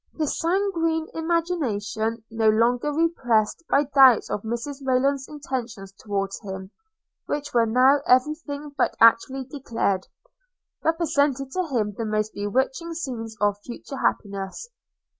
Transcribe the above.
His sanguine imagination, no longer repressed by doubts of Mrs Rayland's intentions towards him, which were now every thing but actually declared, represented to him the most bewitching scenes of future happiness.